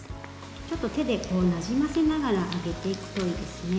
ちょっと手でなじませながら揚げていくといいですね。